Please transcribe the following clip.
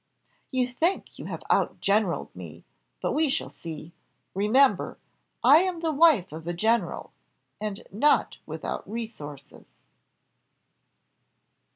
"You think you have out generaled me, but we shall see. Remember, I am the wife of a general, and not without resources."